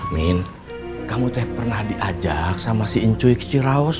min kamu tuh pernah diajak sama si incuik ciraus